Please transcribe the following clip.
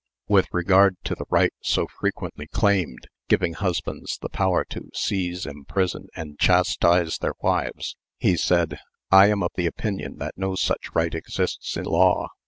With regard to the right so frequently claimed, giving husbands the power to seize, imprison, and chastise their wives, he said: "I am of the opinion that no such right exists in law.